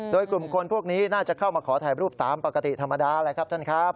โดยกลุ่มคนพวกนี้น่าจะเข้ามาขอถ่ายรูปตามปกติธรรมดาแหละครับท่านครับ